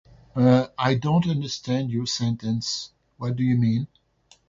Uh, I don't understand your sentence. What do you mean?